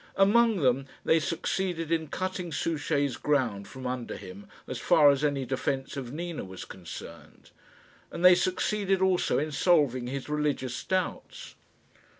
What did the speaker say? Among them they succeeded in cutting Souchey's ground from under him as far as any defence of Nina was concerned, and they succeeded also in solving his religious doubts.